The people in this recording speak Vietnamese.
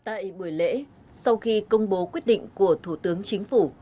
tại buổi lễ sau khi công bố quyết định của thủ tướng chính phủ